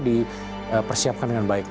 di persiapkan dengan baik